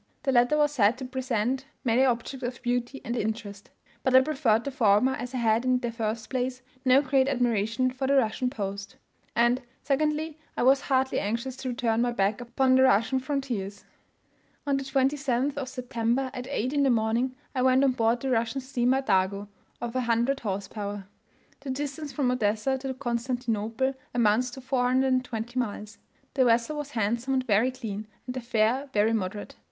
The latter was said to present many objects of beauty and interest; but I preferred the former, as I had in the first place no great admiration of the Russian post; and, secondly, I was heartily anxious to turn my back upon the Russian frontiers. On the 27th of September, at 8 in the morning, I went on board the Russian steamer Dargo, of 100 horse power. The distance from Odessa to Constantinople amounts to 420 miles. The vessel was handsome and very clean, and the fare very moderate.